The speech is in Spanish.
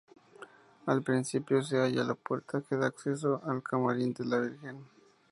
Al principio se halla la puerta que da acceso al camarín de la Virgen.